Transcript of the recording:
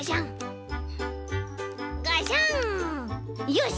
よし。